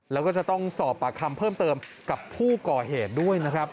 แล้วก็จะต้องสอบปากคำเพิ่มเติมกับผู้ก่อเหตุด้วยนะครับ